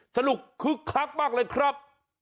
สนุกคือคลักมากเลยครับ